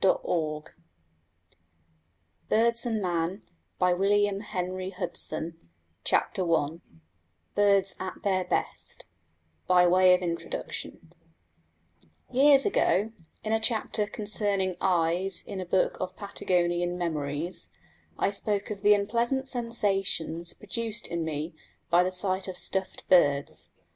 Selborne 283 Index 303 BIRDS AND MAN CHAPTER I BIRDS AT THEIR BEST By Way of Introduction Years ago, in a chapter concerning eyes in a book of Patagonian memories, I spoke of the unpleasant sensations produced in me by the sight of stuffed birds.